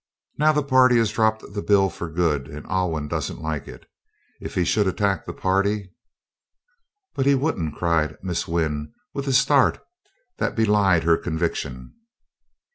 "Now, the party has dropped the bill for good, and Alwyn doesn't like it. If he should attack the party " "But he wouldn't," cried Miss Wynn with a start that belied her conviction.